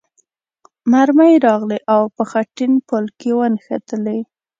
مرمۍ راغلې او په خټین پل کې ونښتلې.